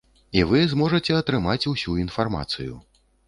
І вы зможаце атрымаць усю інфармацыю.